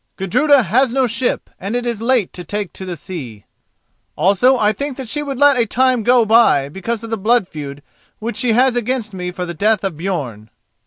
"Gudruda has no ship and it is late to take the sea. Also I think that she would let a time go by because of the blood feud which she has against me for the death of Björn."